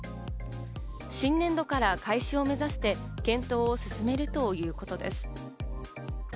新年度から開始を目指して検討を進めるということです。